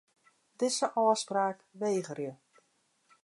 Dizze ôfspraak wegerje.